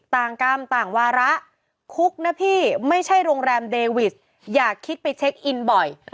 กรรมต่างวาระคุกนะพี่ไม่ใช่โรงแรมเดวิสอย่าคิดไปเช็คอินบ่อย